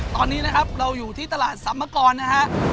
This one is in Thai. ตอนนี้นะครับเราอยู่ที่ตลาดสัมมกรนะฮะ